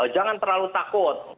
jangan terlalu takut